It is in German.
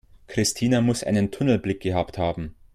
Christina muss einen Tunnelblick gehabt haben.